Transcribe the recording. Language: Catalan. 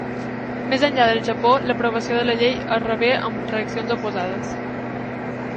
Més enllà del Japó, l'aprovació de la llei es rebé amb reaccions oposades.